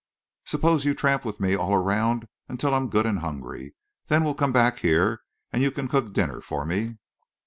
"Suppose you tramp with me all around, until I'm good and hungry. Then we'll come back here—and you can cook dinner for me."